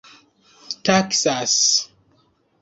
taksas